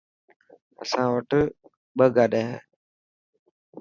اسان وٽ ٻه گاڏي هي.